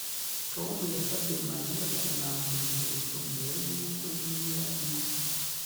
Tom yasabye Mariya kumwambura inkweto mbere yuko yinjira iwe